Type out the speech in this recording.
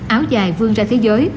áo dài vương ra thế giới